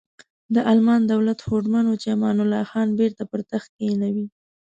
د المان دولت هوډمن و چې امان الله خان بیرته پر تخت کینوي.